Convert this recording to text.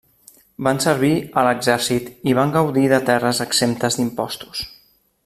Van servir a l'exèrcit i van gaudir de terres exemptes d'impostos.